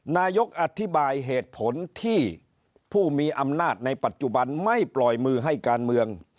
นายกอธิบายเหตุผลที่ผู้มีอำนาจในปัจจุบันไม่ปล่อยมือให้การเมือง